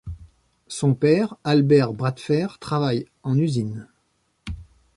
Son père, Albert Bradfer, travaille en usine.